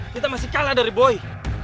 kita masih kalah dari boy